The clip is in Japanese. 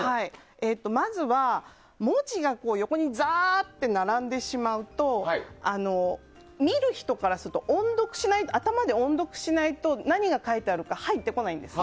まずは文字が横にザーって並んでしまうと見る人からすると頭で音読しないと何が書いてあるか入ってこない。